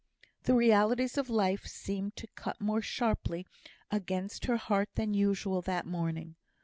The realities of life seemed to cut more sharply against her heart than usual that morning.